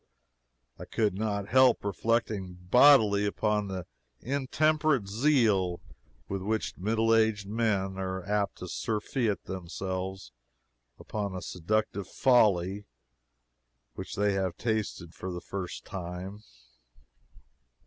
I could not help reflecting bodingly upon the intemperate zeal with which middle aged men are apt to surfeit themselves upon a seductive folly which they have tasted for the first time.